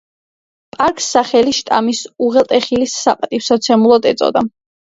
პარკს სახელი შტამის უღელტეხილის საპატივმცემლოდ ეწოდა.